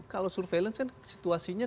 kalau surveillance kan situasinya